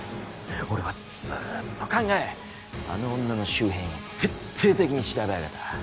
俺はずっと考えあの女の周辺を徹底的に調べ上げた。